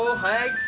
はい！